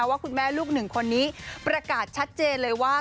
ว่าคุณแม่ลูกหนึ่งคนนี้ประกาศชัดเจนเลยว่า